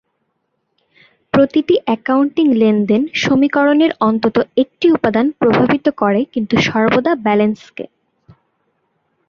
প্রতিটি অ্যাকাউন্টিং লেনদেন সমীকরণের অন্তত একটি উপাদান প্রভাবিত করে, কিন্তু সর্বদা ব্যালেন্সকে।